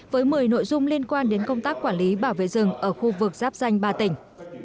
với một mươi nội dung liên quan đến công tác quản lý bảo vệ rừng ở khu vực giáp danh ba tỉnh